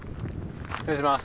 失礼します。